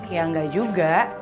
ya enggak juga